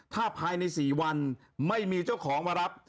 ถ้าภายใน๔วันไม่มีเจ้าของมารับ